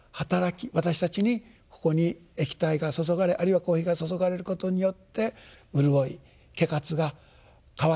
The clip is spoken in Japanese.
私たちにここに液体が注がれあるいはコーヒーが注がれることによって潤い飢渇が渇きが除かれる。